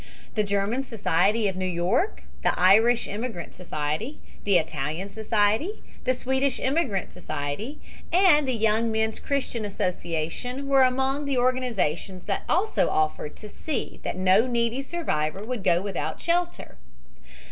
The German Society of New York, the Irish Immigrant Society, the Italian Society, the Swedish Immigrant Society and the Young Men's Christian Association were among the organizations that also offered to see that no needy survivor would go without shelter.